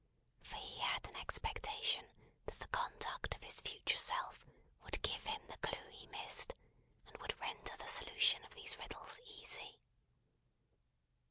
For he had an expectation that the conduct of his future self would give him the clue he missed, and would render the solution of these riddles easy.